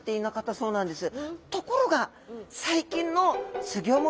そうなんですね。